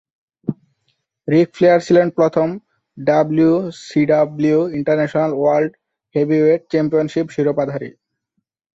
রিক Flair ছিলেন প্রথম "WCW international world heavyweight championship" শিরোপাধারী।